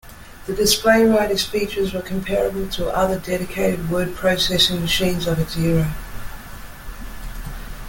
The Displaywriter's features were comparable to other dedicated word processing machines of its era.